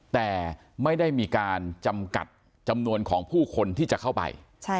แต่ไม่ได้มีการจำกัดจำนวนของผู้คนที่จะเข้าไป